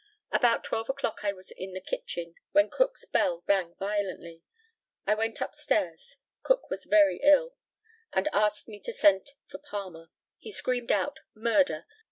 About twelve o'clock I was in the kitchen, when Cook's bell rang violently. I went up stairs. Cook was very ill, and asked me to send for Palmer. He screamed out "Murder!"